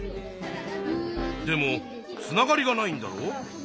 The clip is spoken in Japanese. でもつながりがないんだろ？